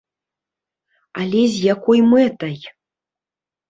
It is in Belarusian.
Але з якой мэтай?